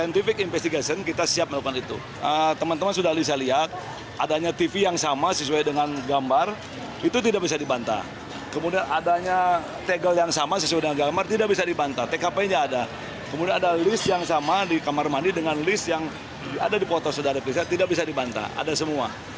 tegel yang sama sesuai dengan gambar tidak bisa dibantah tkp nya ada kemudian ada list yang sama di kamar mandi dengan list yang ada di foto sudah ada tidak bisa dibantah ada semua